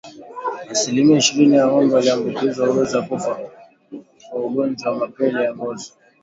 Asilimia ishirini ya ngombe walioambukizwa huweza kufa kwa ugonjwa wa mapele ya ngozi